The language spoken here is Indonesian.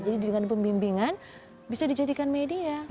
jadi dengan pembimbingan bisa dijadikan media